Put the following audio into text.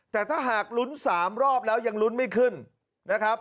แต่ถ้าหากลุ้น๓รอบแล้วยังลุ้นไม่ขึ้นนะครับ